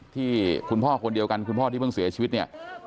ที่คุณพ่อคนเดียวกันคุณพ่อที่เพิ่งเสียชีวิตเนี่ย